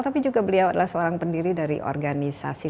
tapi juga beliau adalah seorang pendiri dari organisasi